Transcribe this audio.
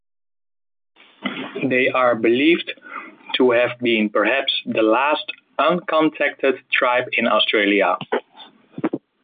They are believed to have been perhaps the last uncontacted tribe in Australia.